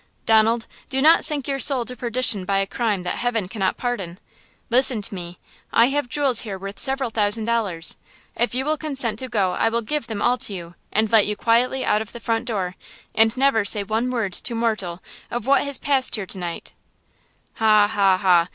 "Donald, do not sink your soul to perdition by a crime that heaven cannot pardon! Listen to me! I have jewels here worth several thousand dollars! If you will consent to go I will give them all to you and let you quietly out of the front door and never say one word to mortal of what has passed here to night." "Ha, ha, ha!